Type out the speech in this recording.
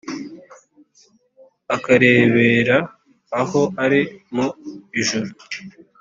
akarebera aho ari mu ijuru.